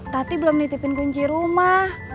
tati belum nitipin kunci rumah